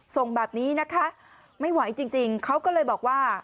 ส่งแบบนี้นะคะไม่ไหวจริงเขาก็เลยบอกว่า